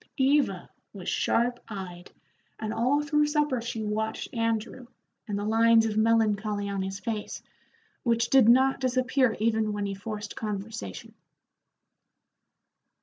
Eva was sharp eyed, and all through supper she watched Andrew, and the lines of melancholy on his face, which did not disappear even when he forced conversation.